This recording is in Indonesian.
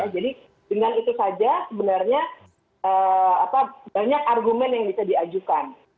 jadi dengan itu saja sebenarnya banyak argumen yang bisa diajukan